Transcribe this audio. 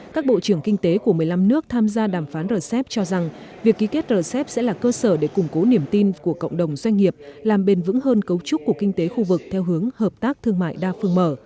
các bộ trưởng kinh tế của một mươi năm nước tham gia đàm phán rcep cho rằng việc ký kết rcep sẽ là cơ sở để củng cố niềm tin của cộng đồng doanh nghiệp làm bền vững hơn cấu trúc của kinh tế khu vực theo hướng hợp tác thương mại đa phương mở